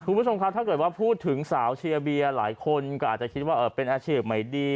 คุณผู้ชมครับถ้าเกิดว่าพูดถึงสาวเชียร์เบียร์หลายคนก็อาจจะคิดว่าเป็นอาชีพใหม่ดี